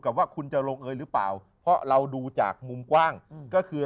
ว่าคุณจะลงเอยหรือเปล่าเพราะเราดูจากมุมกว้างก็คือ